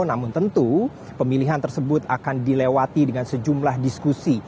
namun tentu pemilihan tersebut akan dilewati dengan sejumlah diskusi